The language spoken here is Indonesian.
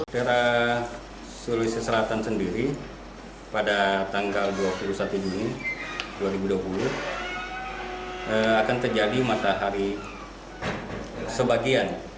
daerah sulawesi selatan sendiri pada tanggal dua puluh satu juni dua ribu dua puluh akan terjadi matahari sebagian